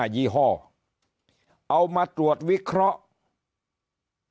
ยี่ห้อเอามาตรวจวิเคราะห์